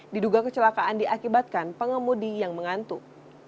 diduga kecelakaan diakibatkan pengemudi yang mengantuk